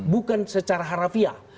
bukan secara harafiah